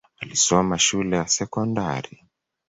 Alisoma shule ya sekondari.